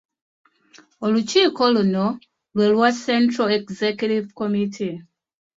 Olukiiko luno lwe lwa Central Executive Committee